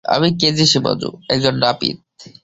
আমি K G Shimazu, একজন নাপিত।